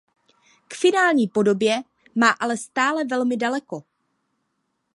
K finální podobě má ale stále velmi daleko.